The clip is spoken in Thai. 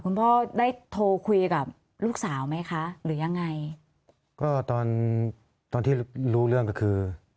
คุณพ่อได้โทรคุยกับลูกสาวไหมคะหรือยังไงก็ตอนตอนที่รู้เรื่องก็คือ